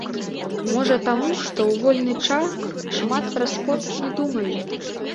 Можа, таму, што ў вольны час шмат пра спорт не думаю.